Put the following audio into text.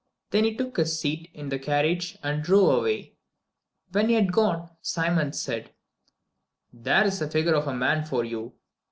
Then he took his seat in the carriage and drove away. When he had gone, Simon said: "There's a figure of a man for you!